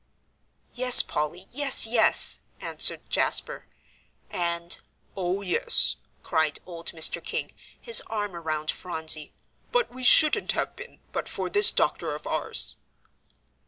"Yes, Polly; yes, yes," answered Jasper. And "Oh, yes," cried old Mr. King, his arm around Phronsie, "but we shouldn't have been but for this doctor of ours."